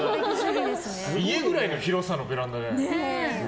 家くらいの広さのベランダ。